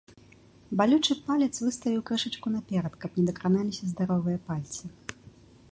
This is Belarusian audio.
Балючы палец выставіў крышачку наперад, каб не дакраналіся здаровыя пальцы.